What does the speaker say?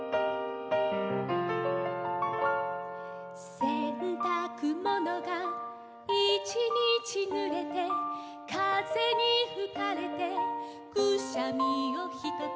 「洗濯物が一日ぬれて」「風にふかれてくしゃみをひとつ」